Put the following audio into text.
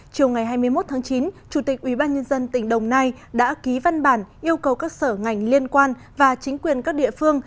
chiều ngày hai mươi một tháng chín chủ tịch ubnd tỉnh đồng nai đã ký văn bản yêu cầu các sở ngành liên quan và chính quyền các địa phương